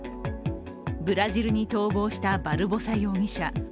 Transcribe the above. ブラジルに逃亡したバルボサ容疑者。